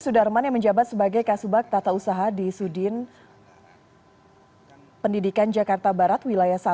sudarman yang menjabat sebagai kasubag tata usaha di sudin pendidikan jakarta barat wilayah satu